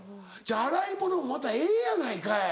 洗い物もまたええやないかい。